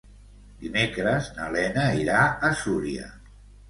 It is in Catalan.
Dimecres na Lena irà a Súria.